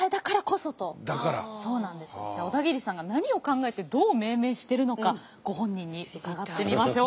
そうなんですじゃあ小田切さんが何を考えてどう命名しているのかご本人に伺ってみましょう。